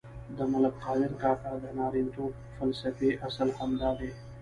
د ملک قادر کاکا د نارینتوب فلسفې اصل هم دادی.